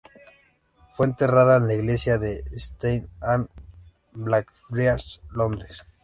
Fue enterrada en la iglesia de St Anne en Blackfriars, Londres.